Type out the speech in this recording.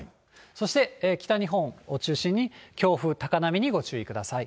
そして北日本を中心に強風、高波にご注意ください。